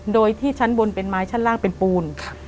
โดยที่ชั้นบนเป็นไม้ชั้นล่างเป็นปูน